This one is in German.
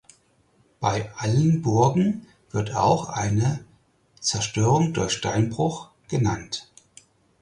Bei "Alle Burgen" wird auch eine Zerstörung durch Steinbruch genannt.